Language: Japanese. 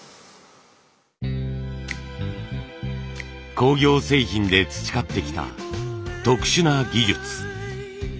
工業製品で培ってきた特殊な技術。